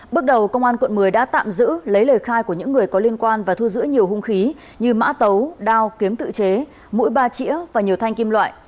bước đầu công an quận một mươi đã tạm giữ lấy lời khai của những người có liên quan và thu giữ nhiều hung khí như mã tấu đao kiếm tự chế mũi ba chĩa và nhiều thanh kim loại